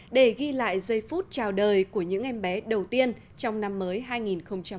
để ghi lại giây phút chào đời của những em bé đầu tiên trong năm mới hai nghìn hai mươi